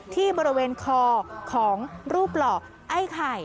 ที่บริเวณคอของรูปหลอกไอ้ไข่